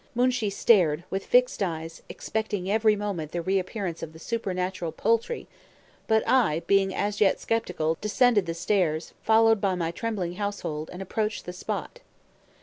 Moonshee stared, with fixed eyes, expecting every moment the reappearance of the supernatural poultry; but I, being as yet sceptical, descended the stairs, followed by my trembling household, and approached the spot.